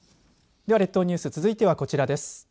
では、列島ニュース続いてはこちらです。